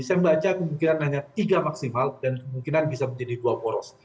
saya membaca kemungkinan hanya tiga maksimal dan kemungkinan bisa menjadi dua poros